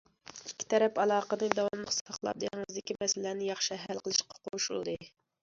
ئىككى تەرەپ ئالاقىنى داۋاملىق ساقلاپ، دېڭىزدىكى مەسىلىلەرنى ياخشى ھەل قىلىشقا قوشۇلدى.